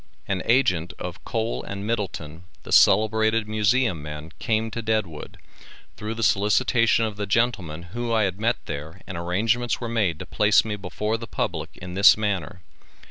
An agent of Kohl & Middleton, the celebrated Museum men came to Deadwood, through the solicitation of the gentleman who I had met there and arrangements were made to place me before the public in this manner.